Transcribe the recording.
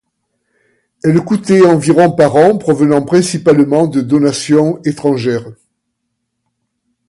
Elle coûtait environ par an, provenant principalement de donations étrangères.